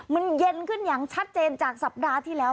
มันเย็นขึ้นอย่างชัดเจนจากสัปดาห์ที่แล้ว